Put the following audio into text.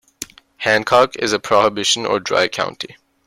Hancock is a prohibition or dry county.